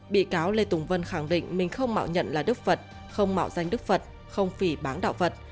bị cáo lê tùng vân khẳng định mình không mạo nhận là đức phật không mạo danh đức phật không phì bán đạo phật